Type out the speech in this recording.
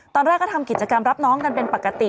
ตอนแรกก็ทำกิจกรรมรับน้องกันเป็นปกติ